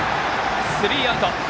スリーアウト。